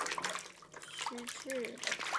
徐积人。